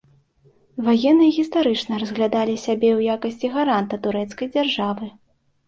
Ваенныя гістарычна разглядалі сябе ў якасці гаранта турэцкай дзяржавы.